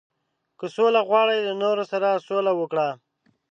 • که سوله غواړې، له نورو سره سوله وکړه.